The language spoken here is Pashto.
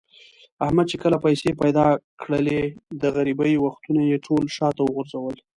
احمد چې کله پیسې پیدا کړلې، د غریبۍ وختونه یې ټول شاته و غورځول.